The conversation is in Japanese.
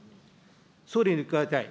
総理に伺いたい。